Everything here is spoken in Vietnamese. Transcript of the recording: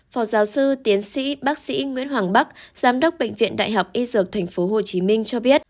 phó giáo sư tiến sĩ bác sĩ nguyễn hoàng bắc giám đốc bệnh viện đại học y dược tp hcm cho biết